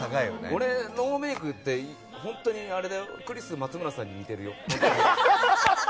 俺ノーメイクって、本当にクリス松村さんに似てるよ。